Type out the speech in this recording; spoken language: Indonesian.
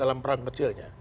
dalam perang kecilnya